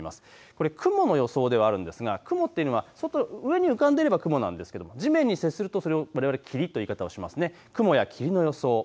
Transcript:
これ雲の予想ではあるんですが雲っていうのは上に浮かんでいれば雲なんですけれども地面に接すると霧という言い方をしますね。